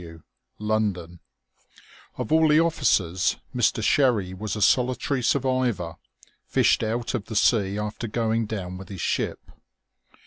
W. London Of all the officers, Mr. Sherry was a solitary survivor, fished out of the sea after going down with his ship.